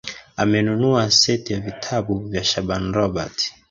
Amenunua seti ya vitabu vya Shaaban Robert